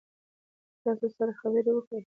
چې تاسو سره خبرې وکړي